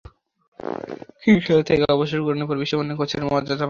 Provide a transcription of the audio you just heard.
Cricket খেলা থেকে অবসর গ্রহণের পর বিশ্বমানের কোচের মর্যাদা পান।